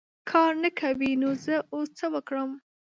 کار نه کوې ! نو زه اوس څه وکړم .